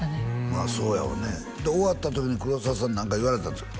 まあそうやろねで終わった時に黒澤さん何か言われたんですか？